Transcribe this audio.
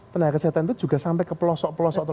tenaga kesehatan itu juga sampai ke pelosok pelosok